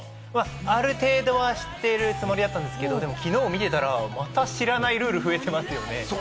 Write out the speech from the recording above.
ある程度は知ってるつもりだったんですけれど、きのう見てたら、また知らないルール増えてますよね。